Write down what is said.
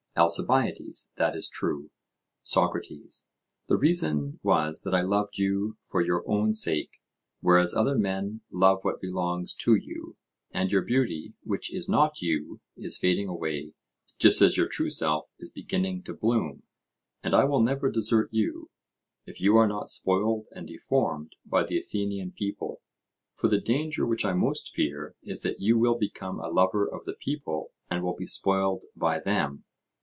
ALCIBIADES: That is true. SOCRATES: The reason was that I loved you for your own sake, whereas other men love what belongs to you; and your beauty, which is not you, is fading away, just as your true self is beginning to bloom. And I will never desert you, if you are not spoiled and deformed by the Athenian people; for the danger which I most fear is that you will become a lover of the people and will be spoiled by them.